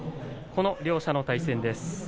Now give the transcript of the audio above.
この両者の対戦です。